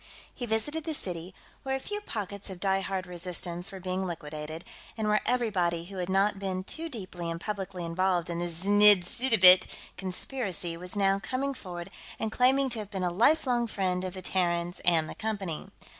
He visited the city, where a few pockets of diehard resistance were being liquidated, and where everybody who had not been too deeply and publicly involved in the znidd suddabit conspiracy was now coming forward and claiming to have been a lifelong friend of the Terrans and the Company.